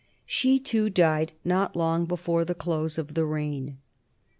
She, too, died not long before the close of the reign.